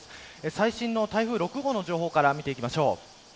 最新の台風６号の情報から見ていきましょう。